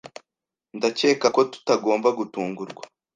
Ndakeka ko tutagomba gutungurwa.